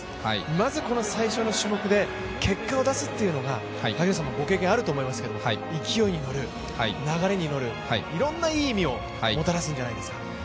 まずこの最初の種目で結果を出すというのが、萩野さんもご経験があると思いますけど、勢いに乗る、流れに乗る、いろんないい意味をもたらすんじゃないですか？